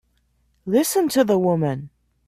Listen to the woman!